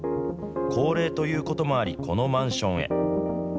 高齢ということもあり、このマンションへ。